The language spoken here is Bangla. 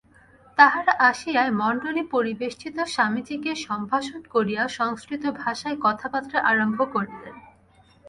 তাঁহারা আসিয়াই মণ্ডলীপরিবেষ্টিত স্বামীজীকে সম্ভাষণ করিয়া সংস্কৃতভাষায় কথাবার্তা আরম্ভ করিলেন।